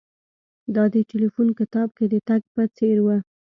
دا د ټیلیفون کتاب کې د تګ په څیر و